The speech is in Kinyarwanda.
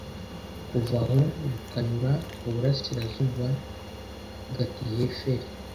kuva aho, rukanyura mu burasirazuba i gatiheferi